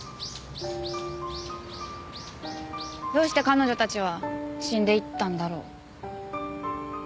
どうして彼女たちは死んでいったんだろう。